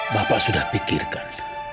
bapak sudah pikirkan